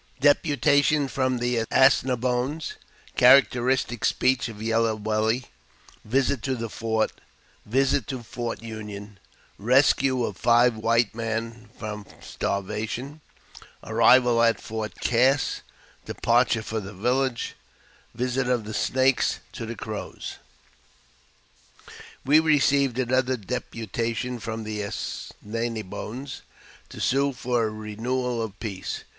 Deputation from the As ne boines — Characteristic Speech of Yellow Bell — Visit to the Fort— Yisit to Fort Union — Rescue of Five White Me from Starvation — Arrival at Fort Cass — Departure for the Village — Visit of the Snakes to the Crows. WE received another deputation from the As ne boines to sue for a renewal of peace.